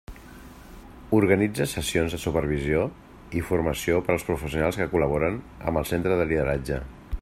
Organitza sessions de supervisió i formació per als professionals que col·laboren amb el Centre de Lideratge.